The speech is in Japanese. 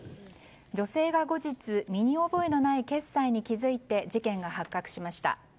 女性が後日身に覚えのない決済に気づいて事件が発覚しました。